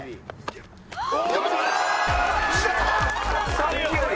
さっきより。